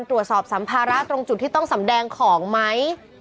สัมภาระตรงจุดที่ต้องสำแดงของไหม